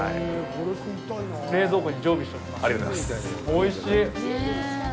おいしい。